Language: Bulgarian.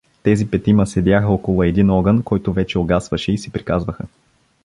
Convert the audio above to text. Тези петима седяха около един огън, който вече угасваше, и си приказваха.